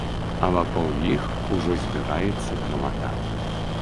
А вакол іх ужо збіраецца грамада.